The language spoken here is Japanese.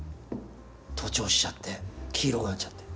徒長しちゃって黄色くなっちゃって。